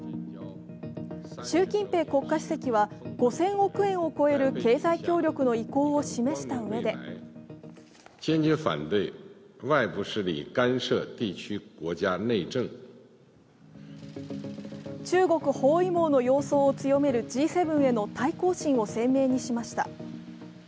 習近平国家主席は５０００億円を超える経済協力の意向を示したうえで中国包囲網の様相を強めるＧ７への対抗心を鮮明にしました。